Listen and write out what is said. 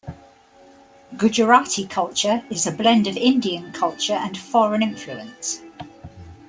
Gujarati culture is a blend of Indian culture and foreign influence.